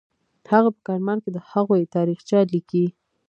هغه په کرمان کې د هغوی تاریخچه لیکي.